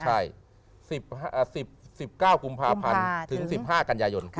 ใช่๑๙กภถึง๑๕กัญญายน